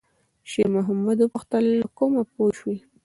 شېرمحمد وپوښتل: «له کومه پوه شوې؟»